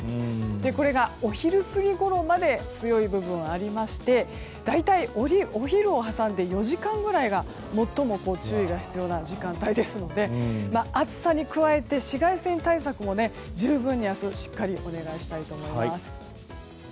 これが、お昼過ぎごろまで強い部分があって大体、お昼を挟んで４時間ぐらいが最も注意が必要な時間帯ですので暑さに加え紫外線対策も十分に明日はしっかりお願いしたいと思います。